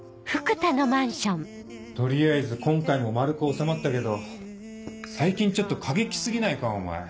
取りあえず今回も丸く収まったけど最近ちょっと過激過ぎないかお前。